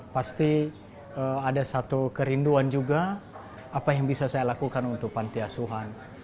pasti ada satu kerinduan juga apa yang bisa saya lakukan untuk panti asuhan